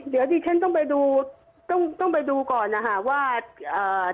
เดี๋ยวดิฉันต้องไปดูต้องต้องไปดูก่อนนะคะว่าอ่า